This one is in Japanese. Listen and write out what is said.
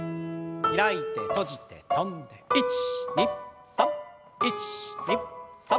開いて閉じて跳んで１２３１２３。